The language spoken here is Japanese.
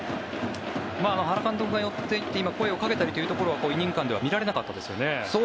原監督が寄っていって今、声をかけたりというところはイニング間では見られなかったですね。